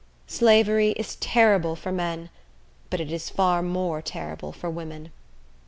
Slavery is terrible for men; but it is far more terrible for women.